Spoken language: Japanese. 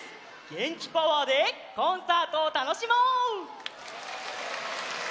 げんきパワーでコンサートをたのしもう！